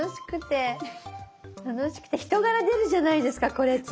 楽しくて人柄出るじゃないですかこれって。